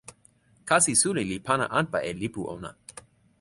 kasi suli li pana anpa e lipu ona